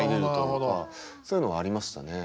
そういうのはありましたね。